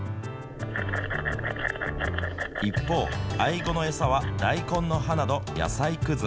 一方、アイゴの餌は、大根の葉など、野菜くず。